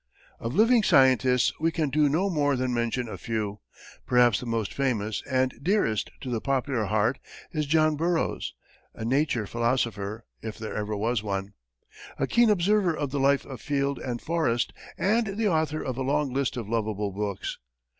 Of living scientists, we can do no more than mention a few. Perhaps the most famous, and dearest to the popular heart is John Burroughs, a nature philosopher, if there ever was one, a keen observer of the life of field and forest, and the author of a long list of lovable books.